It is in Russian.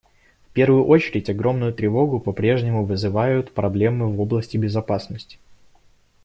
В первую очередь огромную тревогу попрежнему вызывают проблемы в области безопасности.